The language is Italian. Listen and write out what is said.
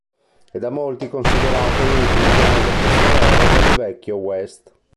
È da molti considerato l'ultimo grande pistolero del vecchio West.